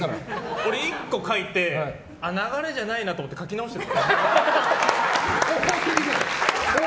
俺、１個書いて流れじゃないなと思って書き直しちゃったの。